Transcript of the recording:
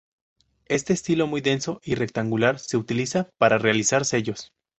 Este estilo muy denso y rectangular se utiliza para realizar sellos.